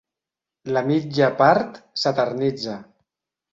La mitja part s'eternitza.